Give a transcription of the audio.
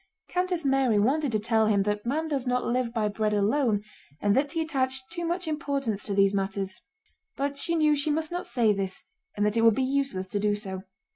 Countess Mary wanted to tell him that man does not live by bread alone and that he attached too much importance to these matters. But she knew she must not say this and that it would be useless to do so.